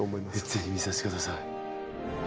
ぜひ見させて下さい。